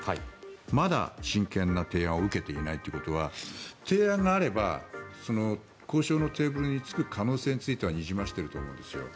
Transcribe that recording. まだ真剣な提案を受けていないということは提案があれば交渉のテーブルに着く可能性はにじませていると思うんですよ。